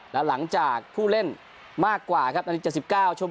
และหลังจากผู้เล่นมากกว่าครับนาทีสิบเก้า